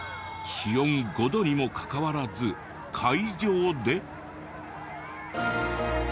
気温５度にもかかわらず海上で。